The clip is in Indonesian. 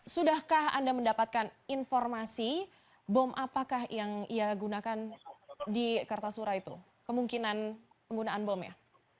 sudahkah anda mendapatkan informasi bom apakah yang ia gunakan di kartasura itu kemungkinan penggunaan bomnya